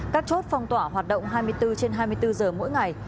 các chốt phong tỏa hoạt động hai mươi bốn trên hai mươi bốn giờ mỗi ngày